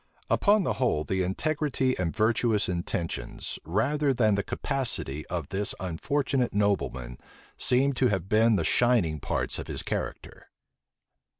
Upon the whole, the integrity and virtuous intentions, rather than the capacity, of this unfortunate nobleman, seem to have been the shining parts of his character.